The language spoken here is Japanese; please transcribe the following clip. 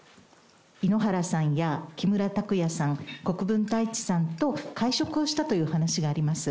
井ノ原さんや木村拓哉さん、国分太一さんと会食をしたという話があります。